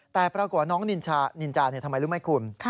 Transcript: แต่ปรากฏว่าน้องนินจาทำไมรู้ไหมคุณ